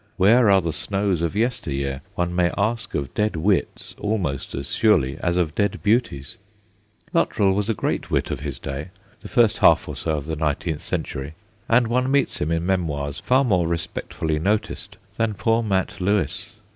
' Where are the snows of yester year ?' one may ask of dead wits almost as surely as of dead beauties. HENRY LUTTRELL 85 Luttrell was a great wit of his day, the first half or so of the nineteenth century, and one meets him in memoirs far more respectfully noticed than poor Mat Lewis.